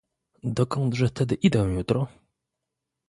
"Dokądże tedy idę jutro?"